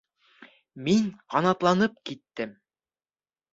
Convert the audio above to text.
Мин ҡанатланып киттем: